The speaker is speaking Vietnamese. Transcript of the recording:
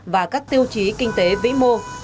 và các tiêu chí kinh tế vĩ mô